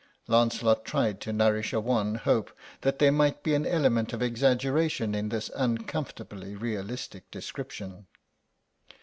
Lancelot tried to nourish a wan hope that there might be an element of exaggeration in this uncomfortably realistic description.